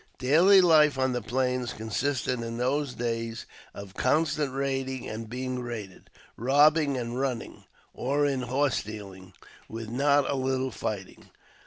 Daily life on the Plains consisted in those days of constant raiding and being raided, robbing and " running," or in horse stealing, with not a little fighting.